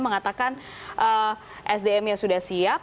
mengatakan sdm nya sudah siap